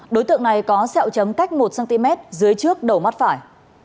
đối tượng này có sẹo chấm cách một cm dưới trước đầu mắt phải